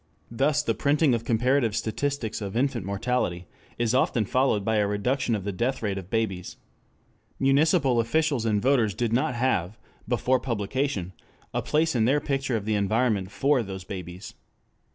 Thus the printing of comparative statistics of infant mortality is often followed by a reduction of the death rate of babies. Municipal officials and voters did not have, before publication, a place in their picture of the environment for those babies.